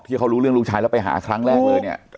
ที่เขารู้เรื่องลูกชายแล้วไปหาครั้งแรกเลยเนี่ย